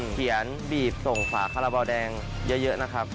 บีบส่งฝาคาราบาลแดงเยอะนะครับ